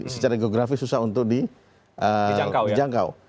secara geografis susah untuk dijangkau